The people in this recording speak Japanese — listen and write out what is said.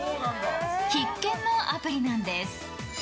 必見のアプリなんです。